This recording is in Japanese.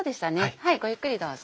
はいごゆっくりどうぞ。